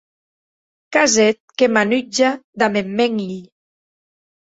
Qu’as hèt que m’anutja damb eth mèn hilh.